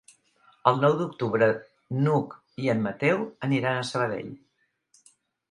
El nou d'octubre n'Hug i en Mateu aniran a Sabadell.